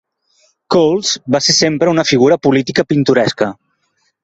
Coles va ser sempre una figura política pintoresca.